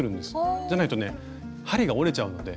じゃないとね針が折れちゃうので。